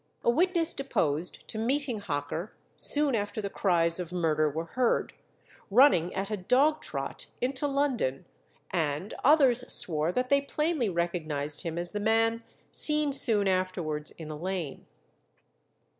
A witness deposed to meeting Hocker, soon after the cries of murder were heard, running at a dog trot into London, and others swore that they plainly recognized him as the man seen soon afterwards in the lane.